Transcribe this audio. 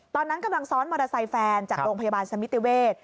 ตอนนั้นกำลังซ้อนมอเตอร์ไซค์แฟนจากโรงพยาบาลสมิติเวศ